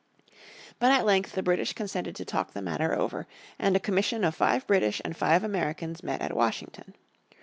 But at length the British consented to talk the matter over, and a commission of five British and five Americans met at Washington.